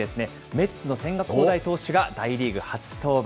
メッツの千賀滉大選手が大リーグ初登板。